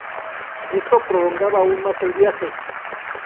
Esto prolongaba aún más el viaje.